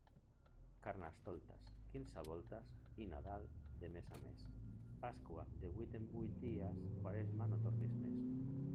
Carnestoltes quinze voltes i Nadal de mes a mes, Pasqua de vuit en vuit dies; Quaresma, no tornis més.